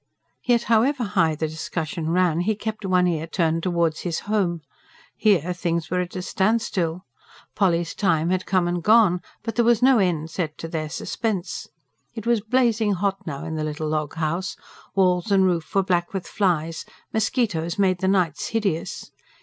Yet however high the discussion ran, he kept one ear turned towards his home. Here, things were at a standstill. Polly's time had come and gone but there was no end set to their suspense. It was blazing hot now in the little log house; walls and roof were black with flies; mosquitoes made the nights hideous.